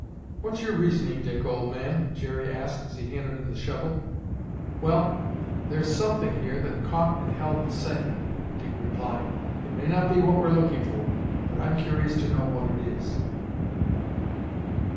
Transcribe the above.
"What's your reasoning, Dick, old man?" Jerry asked as he handed him the shovel. "Well, there's something here that caught and held the sand," Dick replied. "It may not be what we're looking for but I'm curious to know what it is."